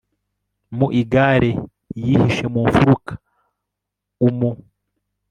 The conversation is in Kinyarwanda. Mu igare yihishe mu mfuruka umut